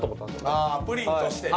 あプリンとしてね。